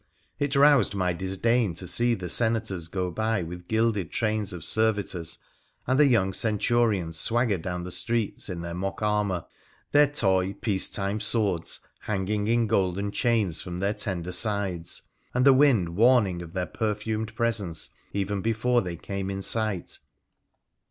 It roused my disdain to see the senators go by with gilded trains of servitors and the young centurions swagger down the streets in their mock armour— their toy, peace time swords hanging in golden chains from their tender sides, and the wind warning one of their perfumed presence even before they came in sight.